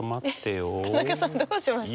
田中さんどうしました？